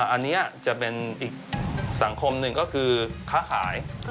อันนี้จะเป็นอีกสังคมหนึ่งก็คือค้าขาย